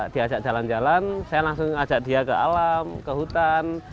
diajak jalan jalan saya langsung ajak dia ke alam ke hutan